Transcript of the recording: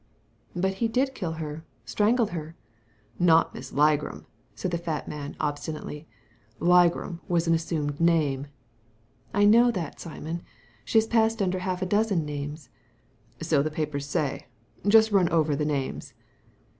'* "But he did kill her— strangled her I "*• Not Miss Ligram I " said the fat man, obstinately. " Ligram was an assumed name." '' I know that, Simon. She has passed under half a dozen names.'' " So the papers say. Just run over the names."